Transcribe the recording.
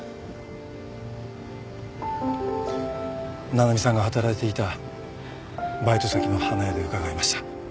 七海さんが働いていたバイト先の花屋で伺いました。